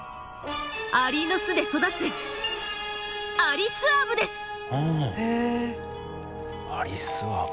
アリの巣で育つアリスアブ。